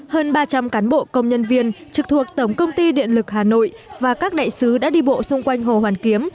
hơn ba trăm linh cán bộ công nhân viên trực thuộc tổng công ty điện lực hà nội và các đại sứ đã đi bộ xung quanh hồ hoàn kiếm